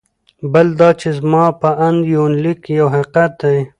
بل دا چې زما په اند یونلیک یو حقیقت دی.